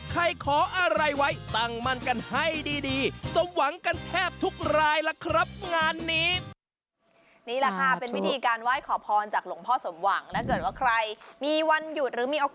ใครขออะไรไว้ตั้งมั่นกันให้ดี